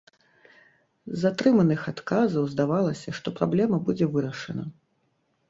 З атрыманых адказаў здавалася, што праблема будзе вырашана.